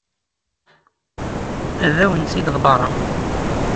Ad awen-tt-id-ḍebbreɣ.